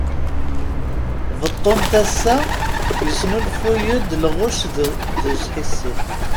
Beṭṭu n tassa yesnulfuy-d lɣec d usḥissef!